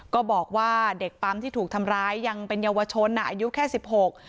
ก็บอกว่าเด็กปั๊มที่ถูกทำร้ายยังเป็นเยาวชนอ่ะอายุแค่สิบหก